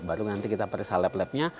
baru nanti kita periksa lap lapnya